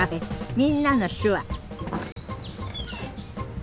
「みんなの手話」